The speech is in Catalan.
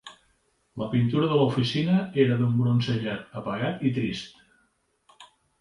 La pintura de l'oficina era d'un bronzejat apagat i trist.